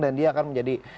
dan dia akan menjadi pemenang